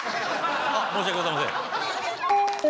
あっ申し訳ございません。